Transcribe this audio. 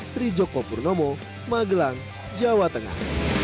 dari joko purnomo magelang jawa tengah